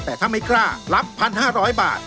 แต่ถ้าไม่กล้ารับ๑๕๐๐บาท